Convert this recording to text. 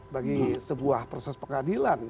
bagi sebuah proses pengadilan